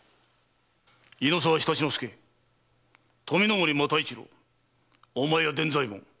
猪沢常陸介富森又一郎大前屋伝左衛門。